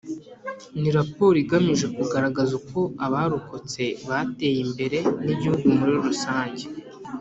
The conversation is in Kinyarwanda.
Ni raporo igamije kugaragaza uko abarokotse bateye imbere n’Igihugu muri rusange